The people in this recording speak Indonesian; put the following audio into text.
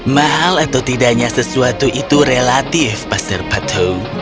mahal atau tidaknya sesuatu itu relatif pastor patu